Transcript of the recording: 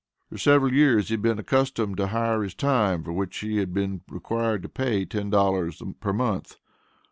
For several years he had been accustomed to hire his time, for which he had been required to pay $10 per month.